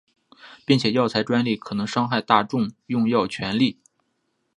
并且药材专利可能伤害大众用药权利。